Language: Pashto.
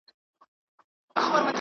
ارمانونه یې ګورته وړي دي !.